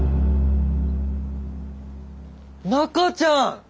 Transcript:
中ちゃん！